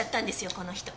この人。